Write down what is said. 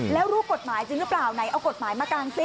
แล้วรู้กฎหมายจริงหรือเปล่าไหนเอากฎหมายมากางซิ